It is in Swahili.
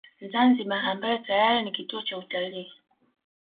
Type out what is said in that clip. Zanzibar ambayo tayari ni kituo cha utalii